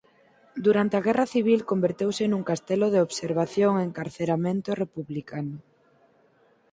Durante a guerra civil converteuse nun castelo de observación e encarceramento republicano.